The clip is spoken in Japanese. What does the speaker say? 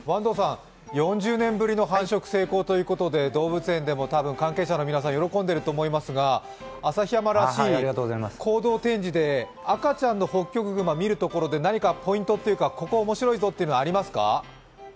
４０年ぶりの繁殖成功ということで動物園での関係者の皆さん喜んでらっしゃると思いますが旭山らしい行動展示で赤ちゃんのホッキョクグマを見るところで何かポイントというかここは面白いぞというのはありますか。